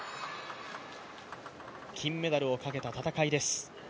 金メダルをかけた戦いです。